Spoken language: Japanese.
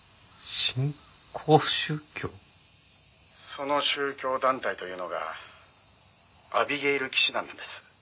「その宗教団体というのがアビゲイル騎士団なんです」